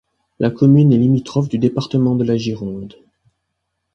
La commune est limitrophe du département de la Gironde.